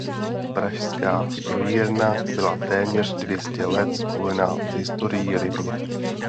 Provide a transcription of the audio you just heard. Pražská strojírna byla téměř dvě stě let spojena s historií Libně.